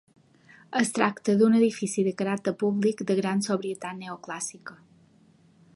Es tracta d'un edifici de caràcter públic de gran sobrietat neoclàssica.